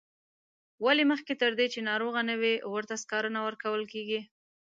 ولې مخکې تر دې چې ناروغه نه وي ورته سکاره نه ورکول کیږي.